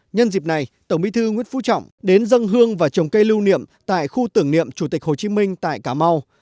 nhân dịp này tổng bí thư nguyễn phú trọng đến dân hương và trồng cây lưu niệm tại khu tưởng niệm chủ tịch hồ chí minh tại cà mau